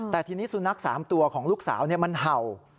แต่ทีนี้สุนัข๓ตัวของลูกสาวมันเห่า